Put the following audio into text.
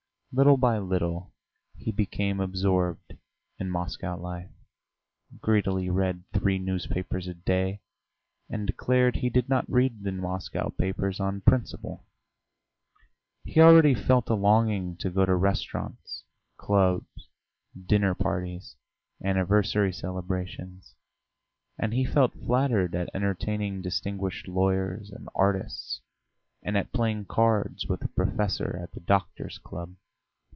Little by little he became absorbed in Moscow life, greedily read three newspapers a day, and declared he did not read the Moscow papers on principle! He already felt a longing to go to restaurants, clubs, dinner parties, anniversary celebrations, and he felt flattered at entertaining distinguished lawyers and artists, and at playing cards with a professor at the doctors' club.